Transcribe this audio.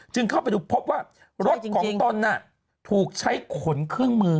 เข้าไปดูพบว่ารถของตนถูกใช้ขนเครื่องมือ